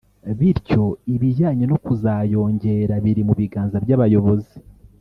bityo ibijyanye no kuzayongera biri mu biganza by’abayobozi